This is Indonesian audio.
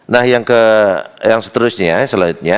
nah yang seterusnya selanjutnya